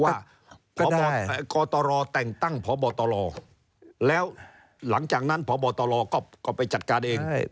กตรแต่งตั้งพบตรแล้วหลังจากนั้นพบตรก็ไปจัดการเอง